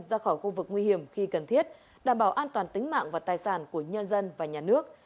ra khỏi khu vực nguy hiểm khi cần thiết đảm bảo an toàn tính mạng và tài sản của nhân dân và nhà nước